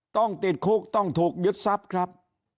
ต้องติดคุกต้องถูกยึดทรัพย์ครับ